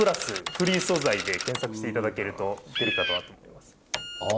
フリー素材で検索していただけると出るかなと思います。